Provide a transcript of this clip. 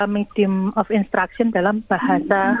medium of instruction dalam bahasa